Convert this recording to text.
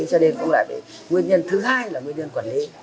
cho nên cũng lại nguyên nhân thứ hai là nguyên nhân quản lý